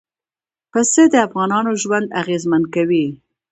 پسه د افغانانو ژوند اغېزمن کوي.